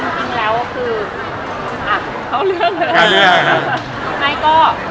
การเรื่อง